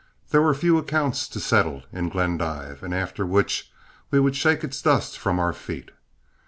There were a few accounts to settle in Glendive, after which we would shake its dust from our feet.